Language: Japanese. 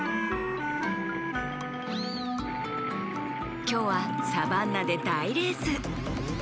きょうはサバンナでだいレース！